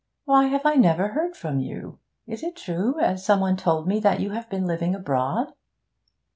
Why have I never heard from you? Is it true, as some one told me, that you have been living abroad?'